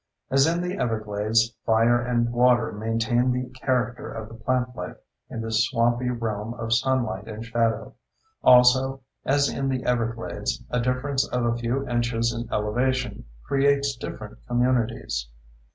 As in the everglades, fire and water maintain the character of the plantlife in this swampy realm of sunlight and shadow. Also as in the everglades, a difference of a few inches in elevation creates different communities.